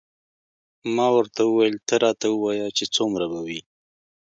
ما ورته وویل نه راته ووایه چې څومره به وي.